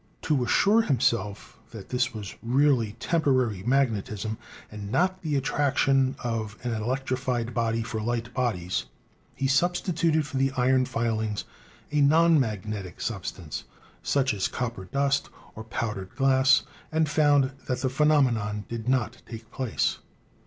To assure himself that this was really temporary magnetism, and not the attrac tion of an electrified body for light bodies, he substituted for the iron filings a non magnetic substance, such as cop per dust or powdered glass, and found that the phenom enon did not take place.